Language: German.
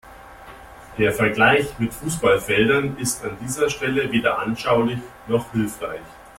Der Vergleich mit Fußballfeldern ist an dieser Stelle weder anschaulich noch hilfreich.